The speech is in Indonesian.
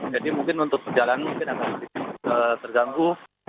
jadi mungkin untuk perjalanan mungkin akan terganggu